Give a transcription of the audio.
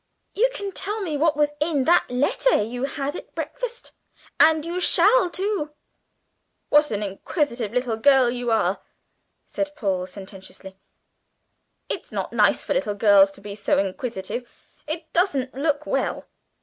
"You can tell me what was in that letter you had at breakfast and you shall too!" "What an inquisitive little girl you are," said Paul sententiously. "It's not nice for little girls to be so inquisitive it doesn't look well."